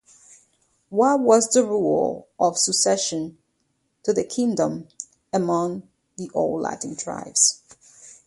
What was the rule of succession to the kingdom among the old Latin tribes.